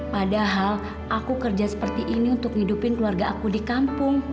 padahal aku kerja seperti ini untuk hidupin keluarga aku di kampung